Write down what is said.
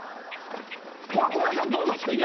これ小林さんどうなんすか？